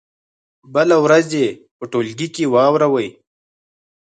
بله ورځ یې په ټولګي کې واوروئ.